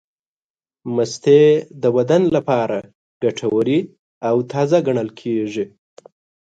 مستې د بدن لپاره ګټورې او تازې ګڼل کېږي.